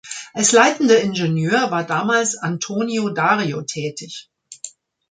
Als leitender Ingenieur war damals Antonio Dario tätig.